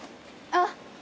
あっ。